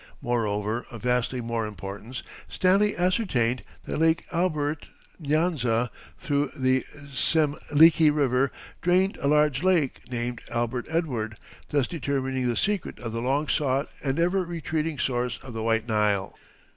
Moreover, of vastly more importance, Stanley ascertained that Lake Albert Nyanza through the Semliki River, drained a large lake, named Albert Edward, thus determining the secret of the long sought and ever retreating source of the White Nile.